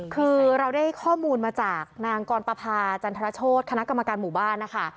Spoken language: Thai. คือเราได้ข้อมูลมาจากนางกรปภาจันทรโชธคณะกรรมการหมู่บ้านนะคะ